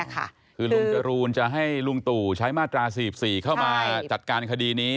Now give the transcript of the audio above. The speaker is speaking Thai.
คือลุงจรูนจะให้ลุงตู่ใช้มาตรา๔๔เข้ามาจัดการคดีนี้